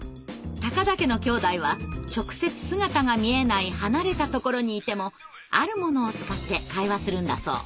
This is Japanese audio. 田家のきょうだいは直接姿が見えない離れたところにいてもあるものを使って会話するんだそう。